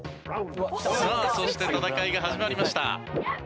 さあそして戦いが始まりました。